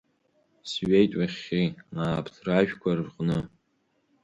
Сҩеит ҩахьхьи ааԥҭражәқәа рҟны.